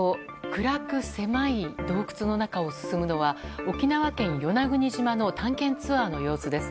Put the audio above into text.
暗く狭い洞窟の中を進むのは沖縄県与那国島の探検ツアーの様子です。